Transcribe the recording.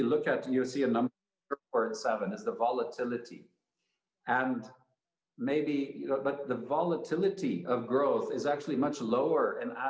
lebih rendah dari kegagalan di amerika